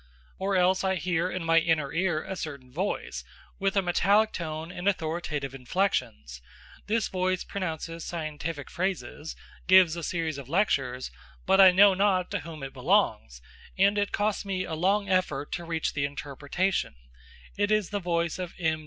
Or else I hear in my inner ear a certain voice, with a metallic tone and authoritative inflections: this voice pronounces scientific phrases, gives a series of lectures, but I know not to whom it belongs, and it costs me a long effort to reach the interpretation: it is the voice of M.